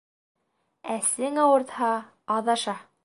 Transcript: Әсең ауыртһа, аҙ аша.